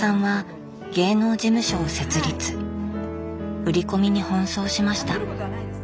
売り込みに奔走しました。